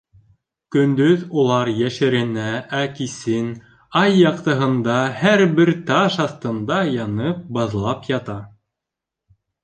Көндөҙ улар йәшеренә, ә кисен ай яҡтыһында, һәр бер таш аҫтында янып, баҙлап ята.